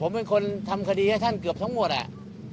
ผมเป็นคนทำคดีให้ท่านเกือบทั้งหมดอ่ะ